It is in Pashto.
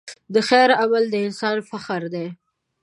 د خیر عمل د انسان فخر دی.